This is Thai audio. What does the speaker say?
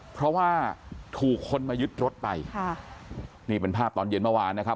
เพราะว่าถูกคนมายึดรถไปค่ะนี่เป็นภาพตอนเย็นเมื่อวานนะครับ